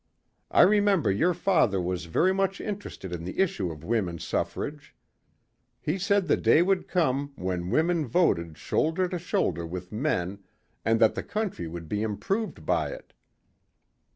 I remember your father was very much interested in the issue of women's suffrage. He said the day would come when women voted shoulder to shoulder with men and that the country would be improved by it."